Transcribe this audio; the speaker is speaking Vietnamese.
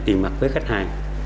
tiền mặt với khách hàng